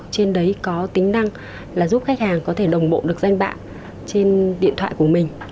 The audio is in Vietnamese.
trên đấy có tính năng là giúp khách hàng có thể đồng bộ được danh bạn trên điện thoại của mình